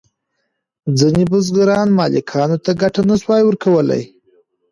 ځینې بزګران مالکانو ته ګټه نشوای ورکولی.